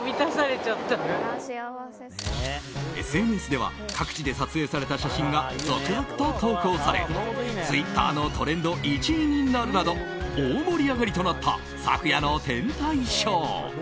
ＳＮＳでは各地で撮影された写真が続々と投稿されツイッターのトレンド１位になるなど大盛り上がりとなった昨夜の天体ショー。